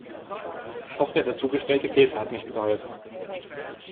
Auch der dazugestellte Käse hat nicht geholfen.